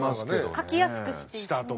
書きやすくしていった。